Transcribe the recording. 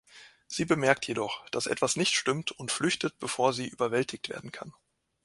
Sie bemerkt jedoch, dass etwas nicht stimmt, und flüchtet, bevor sie überwältigt werden kann.